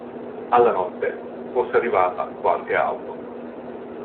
Alla notte fosse arrivata qualche auto